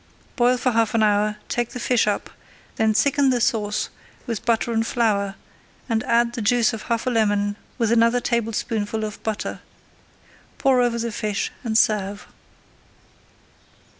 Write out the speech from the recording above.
Boil for half an hour, take the fish up, then thicken the sauce with butter and flour, and add the juice of half a lemon with another tablespoonful of butter. Pour over the fish and serve.